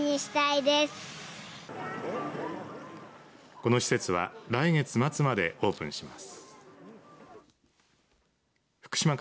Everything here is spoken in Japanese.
この施設は来月末までオープンします。